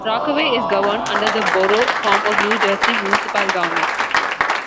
Rockaway is governed under the Borough form of New Jersey municipal government.